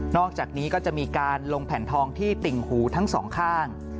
อกจากนี้ก็จะมีการลงแผ่นทองที่ติ่งหูทั้งสองข้าง